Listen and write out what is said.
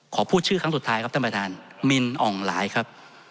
ขอพูดชื่อครั้งสุดท้ายครับท่านประธานมินอ่องหลายครับ